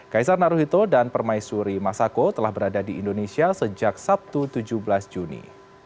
kaisar naruhito dan permaisuri masako telah berada di indonesia sejak sabtu tujuh belas juni